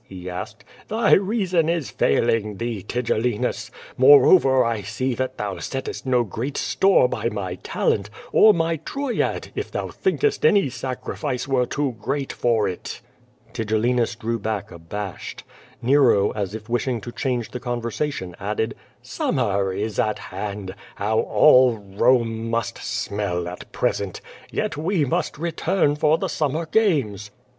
he asked. Thy reason is failing thee, Tigellinus. Moreover I see that thou settest no great store by my talent, or my Troyad, if thou thinkest any sacrifice were too great for it." Tigellinus drew back abashed. Xero, as if wishing to change the conversation added: "Summer is at hand. How all Home must smell at present! Yet we must return for the summer ganies."